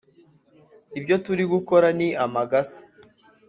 ibyo turi gukora ni amagasa